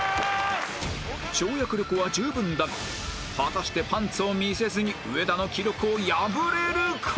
跳躍力は十分だが果たしてパンツを見せずに上田の記録を破れるか？